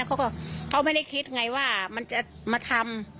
เขาก็เขาไม่ได้คิดไงว่ามันจะมาทำ